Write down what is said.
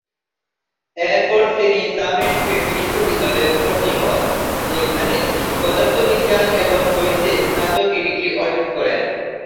এর পর তিনি দামেস্কে বিশ্ববিদ্যালয়ে ভর্তি হন, যেখানে তিনি পদার্থবিজ্ঞান এবং গণিতে স্নাতক ডিগ্রি অর্জন করেন।